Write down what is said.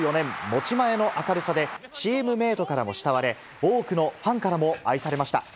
持ち前の明るさで、チームメートからも慕われ、多くのファンからも愛されました。